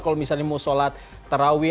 kalau misalnya mau sholat tarawih